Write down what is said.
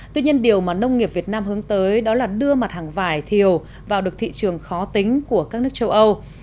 tuy nhiên điều mà nông nghiệp việt nam hướng tới đó là đưa mặt hàng vải thiều vào được thị trường khó tính của các nước châu âu